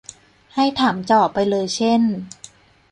ให้ถามเจาะไปเลยเช่น